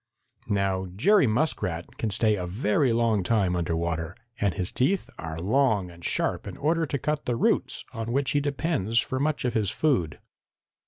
Now Jerry Muskrat can stay a very long time under water, and his teeth are long and sharp in order to cut the roots on which he depends for much of his food.